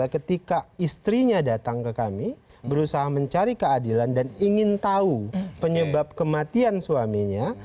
ketika su yono ditangkap oleh kepolisian apa statusnya